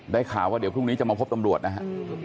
ข่าวว่าเดี๋ยวพรุ่งนี้จะมาพบตำรวจนะฮะ